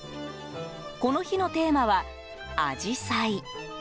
この日のテーマはアジサイ。